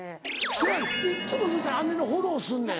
せやねんいっつもそうして姉のフォローすんねん。